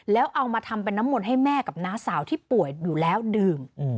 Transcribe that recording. แล้วเอามาทำเป็นน้ำมนต์ให้แม่กับน้าสาวที่ป่วยอยู่แล้วดื่ม